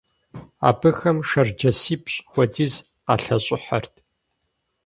Абыхэм шэрджэсипщӀ хуэдиз къалъэщӀыхьэрт.